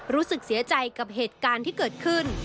รู้สึกเสียใจกับเหตุการณ์ที่เกิดขึ้น